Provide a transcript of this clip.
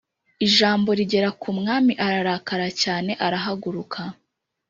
Ijambo rigera kumwami ararakara cyane arahaguruka